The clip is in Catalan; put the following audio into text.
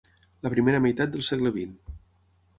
La primera meitat del segle vint.